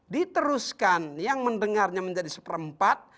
diteruskan yang mendengarnya menjadi seperempat